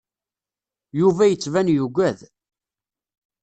Yuba yettban yugad.